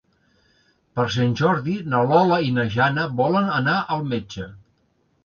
Per Sant Jordi na Lola i na Jana volen anar al metge.